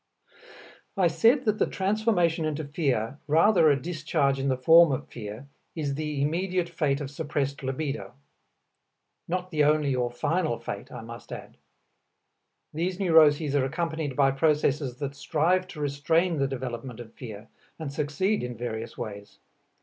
I said that the transformation into fear, rather a discharge in the form of fear, is the immediate fate of suppressed libido. Not the only or final fate, I must add. These neuroses are accompanied by processes that strive to restrain the development of fear, and succeed in various ways.